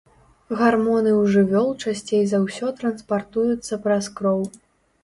Гармоны ў жывёл часцей за ўсё транспартуюцца праз кроў.